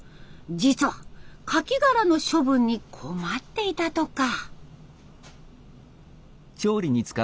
実はカキ殻の処分に困っていたとか。